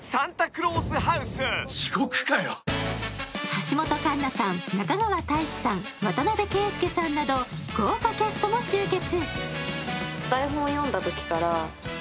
橋本環奈さん、中川大志さん、渡邊圭祐さんなど豪華キャストも集結。